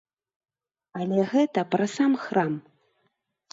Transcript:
Але гэта пра сам храм.